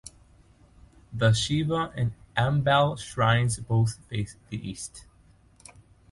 The Shiva and Ambal shrines both face the East.